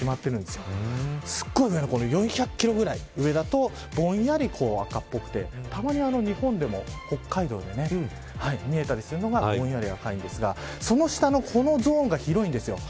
すごいこれ４００キロぐらい上だとぼんやり赤っぽくてたまに日本でも北海道で見えたりするのがぼんやり赤いんですがその下のこのゾーンが広いです。